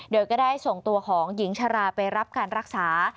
โดยก็ได้ส่งตัวของหญิงชราไปรับการรักษา